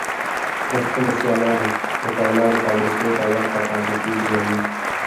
د خپلو سيالانو د پولادو فابريکو ته ورته فابريکې جوړوي.